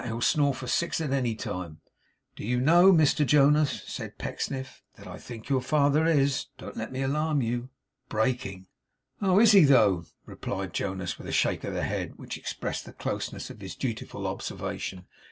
He'll snore for six, at any time.' 'Do you know, Mr Jonas,' said Pecksniff, 'that I think your father is don't let me alarm you breaking?' 'Oh, is he though?' replied Jonas, with a shake of the head which expressed the closeness of his dutiful observation.